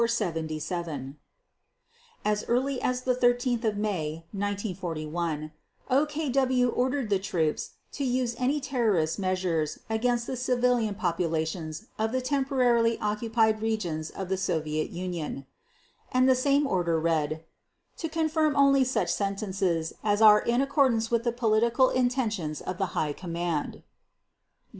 As early as 13 May 1941, OKW ordered the troops to use any terrorist measures against the civilian populations of the temporarily occupied regions of the Soviet Union. And the same order read: "To confirm only such sentences as are in accordance with the political intentions of the High Command."